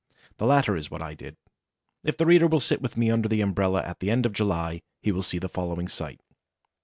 The latter is what I did. If the reader will sit with me under the umbrella at the end of July, he will see the following sight.